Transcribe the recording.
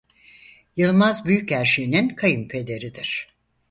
Yılmaz Büyükerşen'in kayınpederidir.